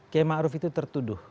km arief itu tertuduh